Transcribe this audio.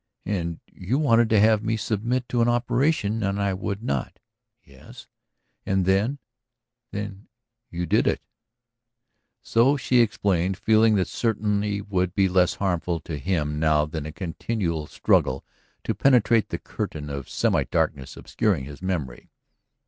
"And you wanted to have me submit to an operation? And I would not?" "Yes." "And then ... then you ... you did it?" So she explained, feeling that certainty would be less harmful to him now than a continual struggle to penetrate the curtain of semidarkness obscuring his memory.